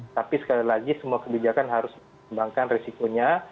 tapi sekali lagi semua kebijakan harus mengembangkan risikonya